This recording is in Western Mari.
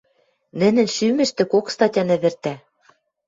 Нӹнӹн шӱмӹштӹ кок статян ӹвӹртӓ.